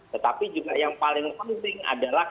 tetapi juga yang paling penting adalah